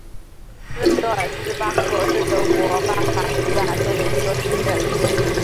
温德尔斯巴赫是德国巴伐利亚州的一个市镇。